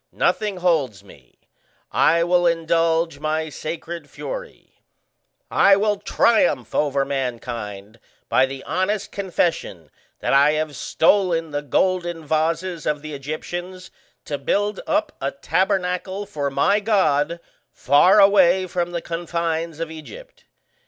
Nothing holds me; I will indulge my sacred fury; I will triumph over mankind by the honest confession that I have stolen the golden vases of the Egyptians to build up a tabernacle for my God far away from the confines of Egypt.